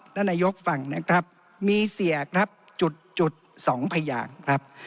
ท่านนายกฟังนะครับมีเสียครับจุดสองพยานครับ